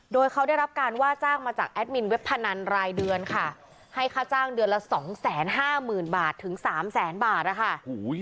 โดยเขาได้รับการว่าจ้างมาจากแอดมินเว็บพนันรายเดือนค่ะให้ค่าจ้างเดือนละ๒๕๐๐๐๐บาทถึง๓๐๐๐๐๐บาทนะคะ